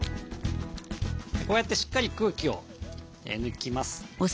こうやってしっかり空気を抜きます。